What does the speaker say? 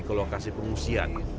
ke lokasi pengungsian